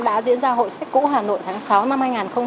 đã diễn ra hội sách cũ hà nội tháng sáu năm hai nghìn một mươi bảy